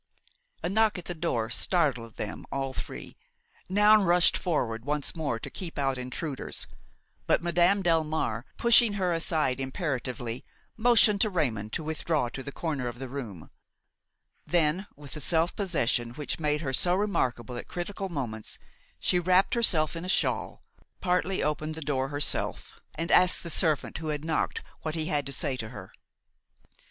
A knock at the door startled them all three. Noun rushed forward once more to keep out intruders; but Madame Delmare, pushing her aside imperatively, motioned to Raymon to withdraw to the corner of the room. Then, with the self possession which made her so remarkable at critical moments, she wrapped herself in a shawl, partly opened the door herself, and asked the servant who had knocked what he had to say to her.